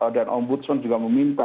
dan ombudsman juga meminta